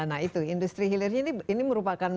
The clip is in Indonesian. nah itu industri hilirnya ini merupakan